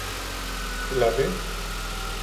Δηλαδή;